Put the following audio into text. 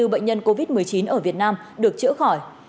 bốn bệnh nhân covid một mươi chín ở việt nam được chữa khỏi